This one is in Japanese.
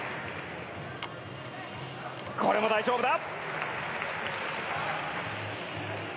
これも大丈夫だ！